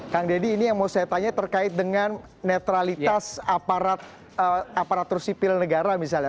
kang deddy ini yang mau saya tanya terkait dengan netralitas aparatur sipil negara misalnya